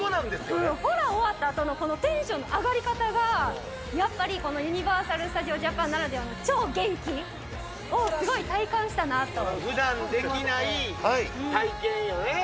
ホラー終わったあとの、このテンションの上がり方が、やっぱり、このユニバーサル・スタジオ・ジャパンならではの超元気をすごいふだんできない体験よね。